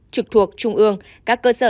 trực thuộc trung ương các cơ sở